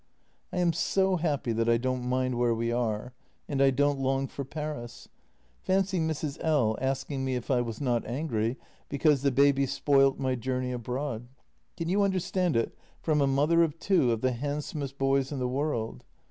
" I am so happy that I don't mind where we are, and I don't long for Paris. Fancy Mrs. L. asking me if I was not angry because the baby spoilt my journey abroad — can you under stand it from a mother of two of the handsomest boys in the world?